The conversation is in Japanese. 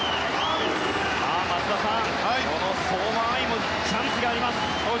松田さん、この相馬あいもチャンスがあります。